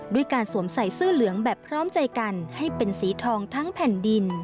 ด้วยการสวมใส่เสื้อเหลืองแบบพร้อมใจกันให้เป็นสีทองทั้งแผ่นดิน